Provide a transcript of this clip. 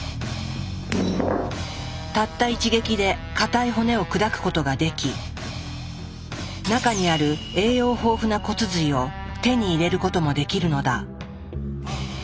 たった一撃で硬い骨を砕くことができ中にある栄養豊富な骨髄を手に入れることもできるのだ。